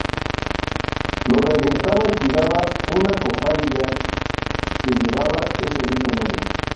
Lo regentaba y cuidaba una cofradía que llevaba ese mismo nombre.